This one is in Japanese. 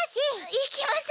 行きましょ。